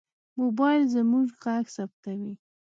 موبایل زموږ غږ ثبتوي.